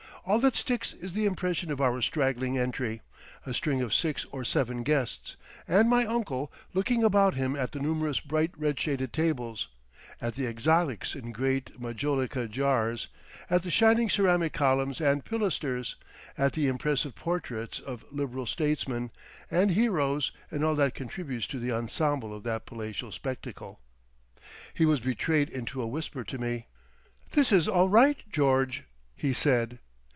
—all that sticks is the impression of our straggling entry, a string of six or seven guests, and my uncle looking about him at the numerous bright red shaded tables, at the exotics in great Majolica jars, at the shining ceramic columns and pilasters, at the impressive portraits of Liberal statesmen and heroes, and all that contributes to the ensemble of that palatial spectacle. He was betrayed into a whisper to me, "This is all Right, George!" he said.